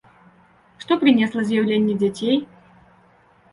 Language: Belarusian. Што прынесла з'яўленне дзяцей?